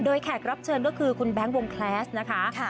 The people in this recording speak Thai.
แขกรับเชิญก็คือคุณแบงค์วงแคลสนะคะ